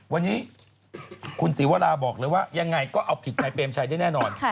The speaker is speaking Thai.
วันนี้คุณศรีวราบอกเลยว่ายังไงก็เอาผิดนายเปรมชัยได้แน่นอน